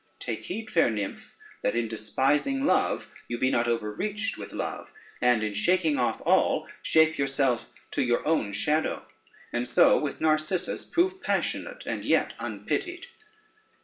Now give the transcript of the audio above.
Take heed, fair nymph, that in despising love, you be not overreached with love, and in shaking off all, shape yourself to your own shadow, and so with Narcissus prove passionate and yet unpitied.